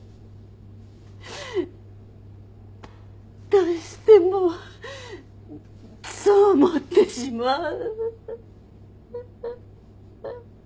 どうしてもそう思ってしまう！